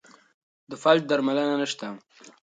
د فلج درملنه نشته.